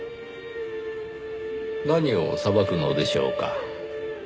何を裁くのでしょうか？